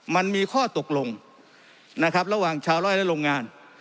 มันมีข้อตกลงนะครับระหว่างชาวร้อยและโรงงาน